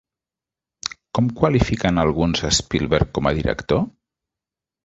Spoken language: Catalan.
Com qualifiquen alguns a Spielberg com a director?